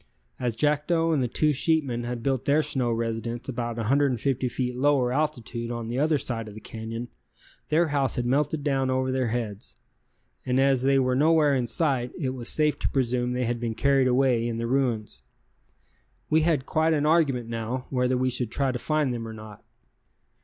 As Jackdo and the two sheepmen had built their snow residence about 150 feet lower altitude on the other side of the canyon, their house had melted down over their heads, and as they were nowhere in sight it was safe to presume they had been carried away in the ruins. We had quite an argument now, whether we should try to find them or not.